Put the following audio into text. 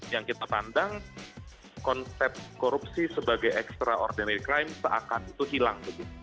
yang kita pandang konsep korupsi sebagai extraordinary crime seakan itu hilang